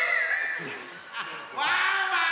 ・ワンワーン！